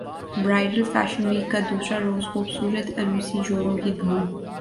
bridal fashion week کا دوسرا روز خوبصورت عروسی جوڑوں کی دھوم